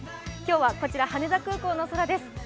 今日は羽田空港の空です。